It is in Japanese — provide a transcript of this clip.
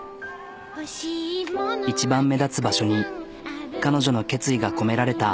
一番目立つ場所に彼女の決意が込められた。